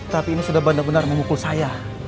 tapi ini sudah benar benar memukul saya